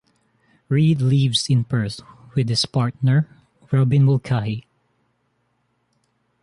Reid lives in Perth with his partner, Robyn Mulcahy.